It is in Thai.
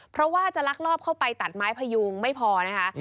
เพราะว่าจะลักลอบเข้าไปตัดไม้พยุงไม่พอนะคะ